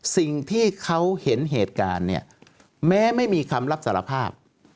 สิ่งที่เขาเห็นเหตุการณ์เนี่ยแม้ไม่มีคำรับสารภาพ